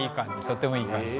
とってもいい感じ。